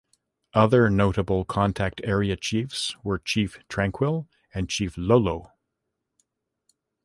Other notable Contact-era chiefs were Chief Tranquille and Chief Lolo.